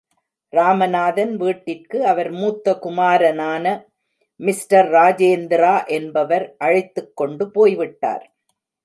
ராமநாதன் வீட்டிற்கு, அவர் மூத்த குமாரனான மிஸ்டர் ராஜேந்திரா என்பவர் அழைத்துக்கொண்டு போய்விட்டார்.